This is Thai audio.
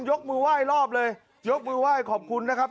ยกมือว่ายรอบเลยยกมือว่ายขอบคุณนะครับ